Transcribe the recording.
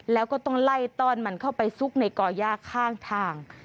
แล้วก็ต้องไล่ต้อนมันเข้าไปซุกในก่อย่าข้างทาง